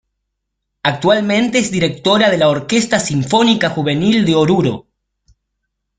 Actualmente es Directora de la Orquesta Sinfónica Juvenil de Oruro.